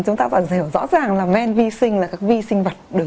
chúng ta có thể hiểu rõ ràng là men vi sinh là các vi sinh vật